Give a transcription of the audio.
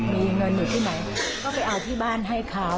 มีเงินอยู่ที่ไหนก็ไปเอาที่บ้านให้เขา